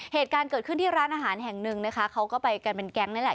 เหตุการณ์เกิดขึ้นที่ร้านอาหารแห่งหนึ่งนะคะเขาก็ไปกันเป็นแก๊งนั่นแหละ